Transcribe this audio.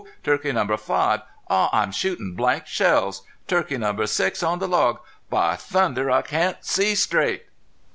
Turkey number five Aw, I'm shootin' blank shells!... Turkey number six on the log BY THUNDER, I CAN'T SEE STRAIGHT!"